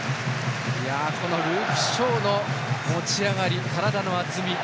ルーク・ショーの持ち上がり体の厚み。